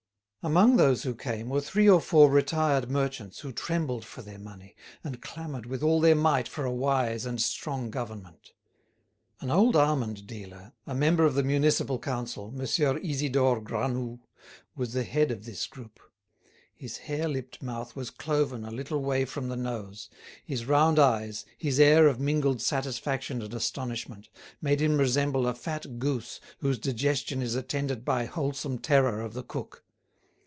Among those who came were three or four retired merchants who trembled for their money, and clamoured with all their might for a wise and strong government. An old almond dealer, a member of the Municipal Council, Monsieur Isidore Granoux, was the head of this group. His hare lipped mouth was cloven a little way from the nose; his round eyes, his air of mingled satisfaction and astonishment, made him resemble a fat goose whose digestion is attended by wholesome terror of the cook.